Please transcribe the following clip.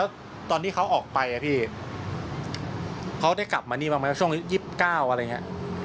แล้วตอนที่เขาออกไปอ่ะพี่เขาได้กลับมานี่บ้างไหมช่วง๒๙อะไรอย่างนี้